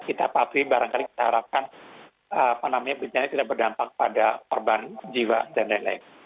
kita paham barangkali kita harapkan bencana ini tidak berdampak pada perban jiwa dll